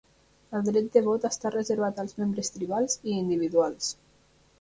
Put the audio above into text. El dret de vot està reservat als membres tribals i individuals.